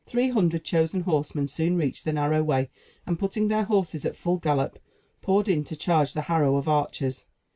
Three hundred chosen horsemen soon reached the narrow way, and, putting their horses at full gallop, poured in to charge the harrow of archers.